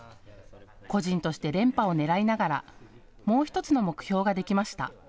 個人として連覇をねらいながらもう１つの目標ができました。